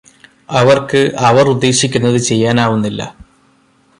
അവര്ക്ക് അവര് ഉദ്ദേശിക്കുന്നത് ചെയ്യാനാവുന്നില്ല